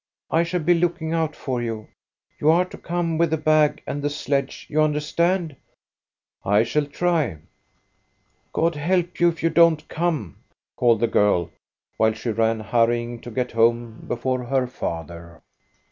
I shall be looking out for you. You are to come with the bag and the sledge, you understand." " I shall try." " God help you if you don't come !" called the girl, while she ran, hurrying to get home before her father.